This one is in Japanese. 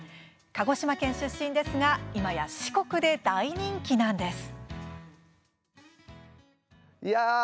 鹿児島県出身ですが今や、四国で大人気なんです。